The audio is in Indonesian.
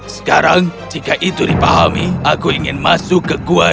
sekarang jika itu dipahami aku ingin masuk ke gua